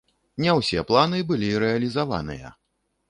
Не ўсе планы былі рэалізаваныя.